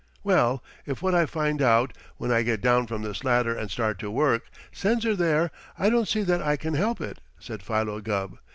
"Well, if what I find out, when I get down from this ladder and start to work, sends her there, I don't see that I can help it," said Philo Gubb.